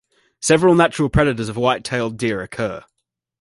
Several natural predators of white-tailed deer occur.